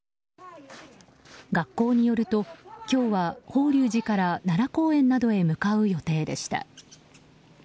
学校によると今日は法隆寺から奈良公園などに向かう予定でした。